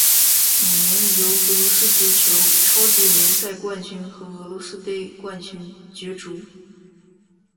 每年由俄罗斯足球超级联赛冠军和俄罗斯杯冠军角逐。